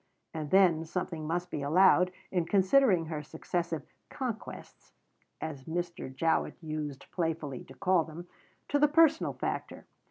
And then something must be allowed, in considering her successive "conquests" (as Mr. Jowett used playfully to call them), to the personal factor.